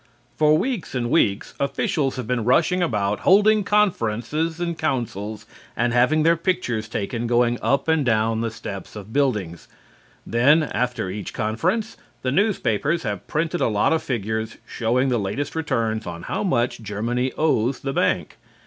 For weeks and weeks officials have been rushing about holding conferences and councils and having their pictures taken going up and down the steps of buildings. Then, after each conference, the newspapers have printed a lot of figures showing the latest returns on how much Germany owes the bank.